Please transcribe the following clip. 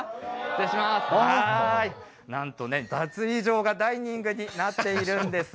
なんとね、脱衣所がダイニングになっているんです。